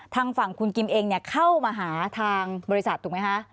ทางฝั่งคุณกิมเองเข้ามาหาทางบริษัทถูกไหมคะ